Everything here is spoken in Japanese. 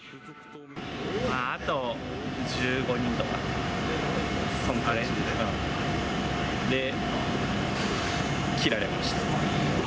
あと１５人とかで、そのぐらいで、切られました。